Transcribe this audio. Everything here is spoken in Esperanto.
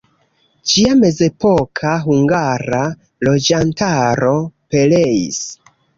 Ĝia mezepoka hungara loĝantaro pereis.